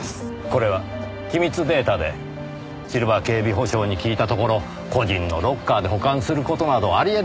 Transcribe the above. これは機密データでシルバー警備保障に聞いたところ個人のロッカーで保管する事などあり得ないそうです。